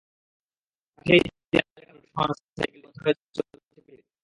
পাশেই দেয়ালে টানানো মনিটরে শোয়ানো সাইকেলটি জীবন্ত হয়ে চলছে পিলারকে ঘিরে।